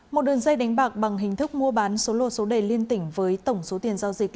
một đường dây đánh bạc bằng hình thức mua bán số lô số đề liên tỉnh với tổng số tiền giao dịch